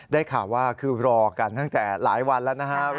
ได้ข่าวว่าคือรอกันตั้งแต่หลายวันแล้วนะครับ